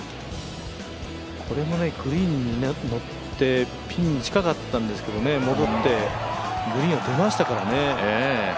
これもグリーンにのって、ピンに近かったんですけど、戻ってグリーンを出ましたからね。